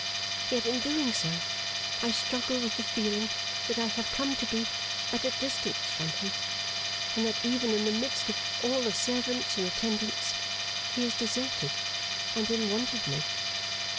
Yet in doing so, I struggle with the feeling that I have come to be at a distance from him; and that even in the midst of all the servants and attendants, he is deserted, and in want of me.